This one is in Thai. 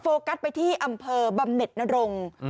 โฟกัสไปที่อำเภอบำเร็ดนรง